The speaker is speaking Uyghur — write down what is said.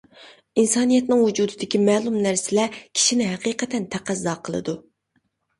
ئىنسانىيەتنىڭ ۋۇجۇدىدىكى مەلۇم نەرسىلەر كىشىنى ھەقىقەتكە تەقەززا قىلىدۇ.